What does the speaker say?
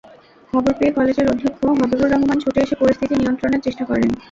খবর পেয়ে কলেজের অধ্যক্ষ হবিবুর রহমান ছুটে এসে পরিস্থিতি নিয়ন্ত্রণের চেষ্টা করেন।